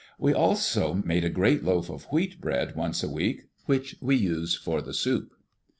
We also made a great loaf of wheat bread once a week, which we used for the soup.